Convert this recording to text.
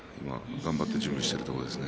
頑張って準備をしているところですね。